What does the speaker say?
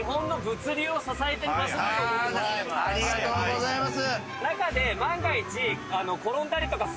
ありがとうございます。